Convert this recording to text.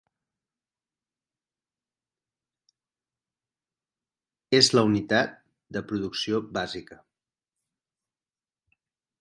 És la unitat de producció bàsica.